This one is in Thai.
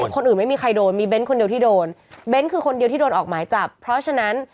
คนอื่นไม่มีใครโดนมีเบนส์คนเดียวที่โดน